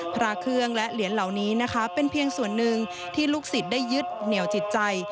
พระเครื่องและเหรียญเหล่านี้นะคะเป็นเพียงส่วนหนึ่งที่ลูกศิษย์ได้ยึดเหนียวจิตใจ